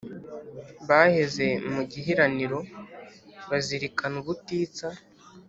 baheze mu gihiraniro, bazirikana ubutitsa